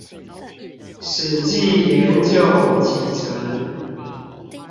史記研究集成